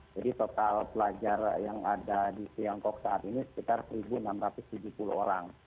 total pelajar yang ada di tiongkok saat ini sekitar satu enam ratus tujuh puluh orang